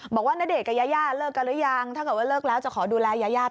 ณเดชน์กับยายาเลิกกันหรือยังถ้าเกิดว่าเลิกแล้วจะขอดูแลยายา